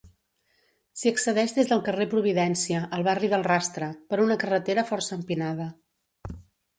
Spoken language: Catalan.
S'hi accedeix des del carrer Providència, al barri del Rastre, per una carretera força empinada.